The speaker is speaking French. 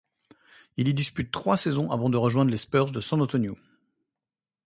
Il y dispute trois saisons avant de rejoindre les Spurs de San Antonio.